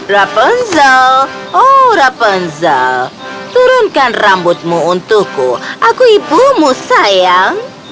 rapunzel oh rapunzel turunkan rambutmu untukku aku ibumu sayang